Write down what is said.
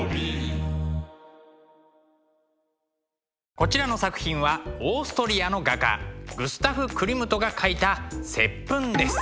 こちらの作品はオーストリアの画家グスタフ・クリムトが描いた「接吻」です。